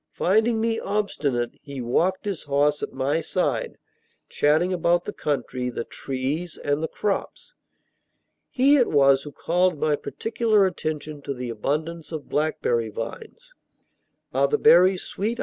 Finding me obstinate, he walked his horse at my side, chatting about the country, the trees, and the crops. He it was who called my particular attention to the abundance of blackberry vines. "Are the berries sweet?"